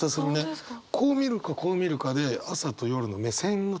こう見るかこう見るかで朝と夜の目線の高さが違う。